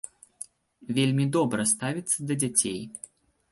Вельмі добра ставіцца да дзяцей.